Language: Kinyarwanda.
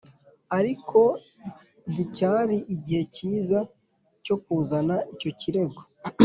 ariko nticyari igihe cyiza cyo kuzana icyo kirego